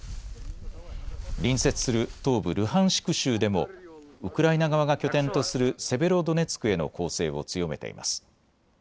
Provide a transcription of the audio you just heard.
隣接する東部ルハンシク州でもウクライナ側が拠点とするセベロドネツクへの攻勢を強めています。